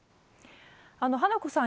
花子さん